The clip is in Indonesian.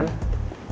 nyebelin banget sih